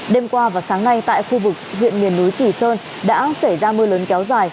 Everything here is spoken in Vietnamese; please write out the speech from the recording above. đêm qua và sáng nay tại khu vực huyện miền núi kỳ sơn đã xảy ra mưa lớn kéo dài